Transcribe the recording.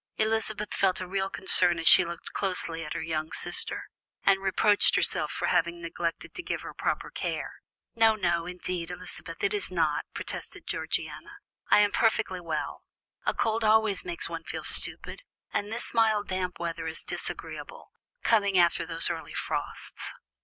Elizabeth felt a real concern as she looked closely at her young sister, and reproached herself for having neglected to give her proper care. "No, no, indeed, Elizabeth, it is not so," protested Georgiana. "I am perfectly well. A cold always makes one feel stupid, and this mild damp weather is disagreeable, coming after those early frosts."